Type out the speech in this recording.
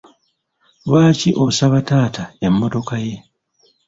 Lwaki osaba taata emmotoka ye?